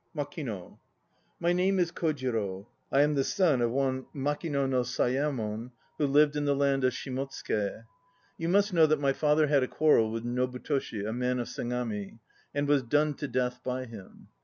MAKINO. My name is Kojiro; I am the son of one Makino no Sayemon who lived in the land of Shimotsuke. You must know that my father had a quarrel with Nobutoshi, a man of Sagami, and was done to death by him.